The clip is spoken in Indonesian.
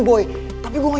dari pas sisters